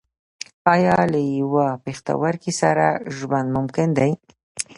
ایا له یوه پښتورګي سره ژوند ممکن دی